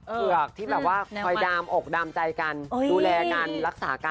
เผือกที่แบบว่าคอยดามอกดามใจกันดูแลกันรักษากัน